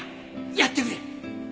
やってくれ。